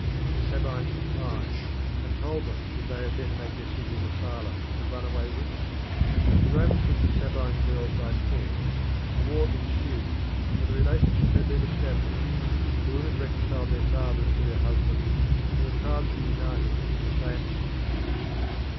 The Sabines declined, and told them that they had better make their city an asylum for runaway women. The Romans took the Sabine girls by force; a war ensued, but the relationship had been established; the women reconciled their fathers to their husbands, and the tribes were united in the same city.